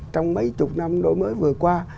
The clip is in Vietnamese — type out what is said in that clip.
trong mấy chục năm đổi mới vừa qua